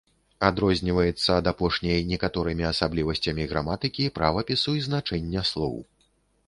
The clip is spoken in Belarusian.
Адрозніваецца ад апошняй некаторымі асаблівасцямі граматыкі, правапісу і значэння слоў.